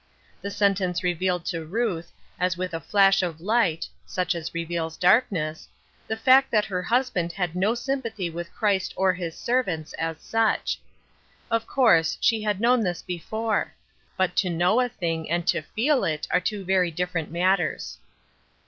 The sentence re vealed to Ruth, as with a flash of light — such as reveals darkness — the fact that her husband had no sympathy with Christ or his servants, as such. Of course, she had known this before ; but to know a thing and to feel it are two very different matters.